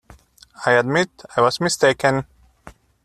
I admit I was mistaken.